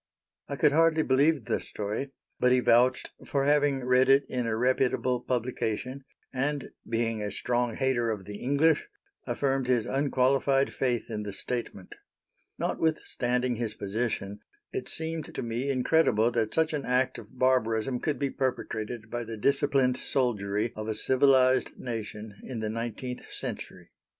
I could hardly believe the story, but he vouched for having read it in a reputable publication, and being a strong hater of the English, affirmed his unqualified faith in the statement. Notwithstanding his position, it seemed to me incredible that such an act of barbarism could be perpetrated by the disciplined soldiery of a civilized nation in the nineteenth century.